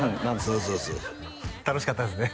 そうそうそう楽しかったですね